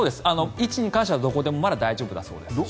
位置に関してはどこでもまだ大丈夫だそうです。